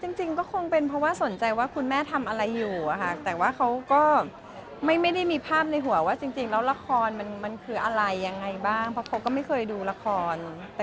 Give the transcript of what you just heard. จริงก็คงเป็นเพราะว่าสนใจว่าคุณแม่ทำอะไรอยู่อะค่ะแต่ว่าเขาก็ไม่ได้มีภาพในหัวว่าจริงแล้วละครมันคืออะไรยังไงบ้างเพราะเขาก็ไม่เคยดูละคร